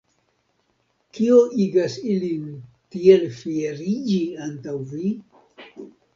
Kio igas ilin tiel fieriĝi antaŭ vi?